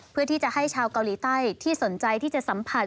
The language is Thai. เพื่อที่จะให้ชาวเกาหลีใต้ที่สนใจที่จะสัมผัส